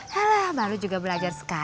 halah baru juga belajar